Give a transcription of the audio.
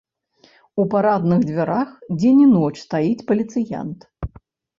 У парадных дзвярах дзень і ноч стаіць паліцыянт.